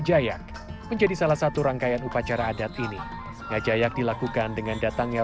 sampai jumpa di video selanjutnya